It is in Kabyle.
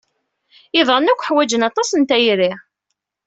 Iḍan akk ḥwajen aṭas n tayri.